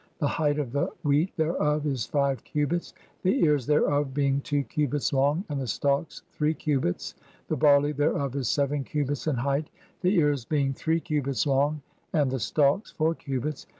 The "height of the wheat thereof is five cubits, the ears (3) thereof "being two cubits long and the stalks three cubits ; the barley "thereof is seven cubits in height, the ears being three cubits "long and (4) the stalks four cubits.